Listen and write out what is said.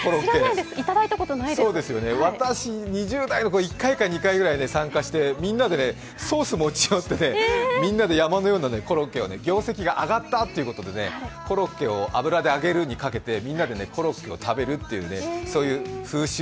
私、２０代の頃、１回か２回ぐらい参加してみんなでソース持ち寄ってね、山のようなコロッケを業績が上がったということでコロッケを油で揚げるにかけて、みんなでコロッケを食べるという風習？